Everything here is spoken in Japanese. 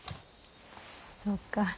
そうかい。